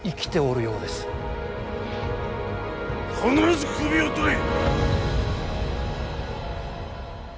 必ず首を取れ！